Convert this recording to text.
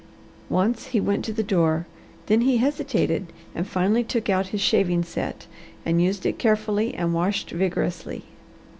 Once he went to the door, then he hesitated, and finally took out his shaving set and used it carefully and washed vigorously.